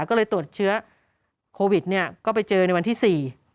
ก็เลยตรวจเชื้อโควิดก็ไปเจอในวันที่๔